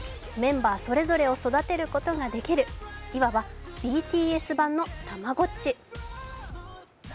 メンバーそれぞれを育てることができる、いわばＢＴＳ版のたまごっち。